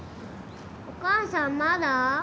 お母さん、まだ？